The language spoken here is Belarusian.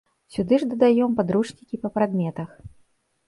Сюды ж дадаём падручнікі па прадметах.